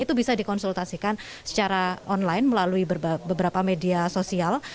itu bisa dikonsultasikan secara online melalui beberapa media sosial